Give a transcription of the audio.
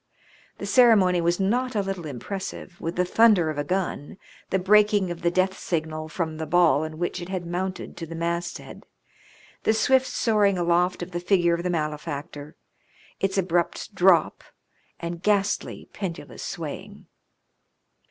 The ceremony was not a little impressive, with the thunder of a gun, the breaking of the death signal from the ball in which it had mounted to the masthead, the swift soaring aloft of the figure of the malefactor, its abrupt drop, and ghastly, pendulous swaying.